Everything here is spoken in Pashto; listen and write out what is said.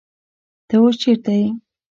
تۀ اوس چېرته يې ؟